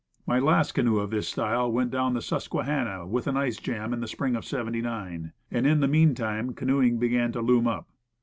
My last canoe of this style went down the Susque hanna with an ice jam in the spring of '79, and in the meantime canoeing began to loom up.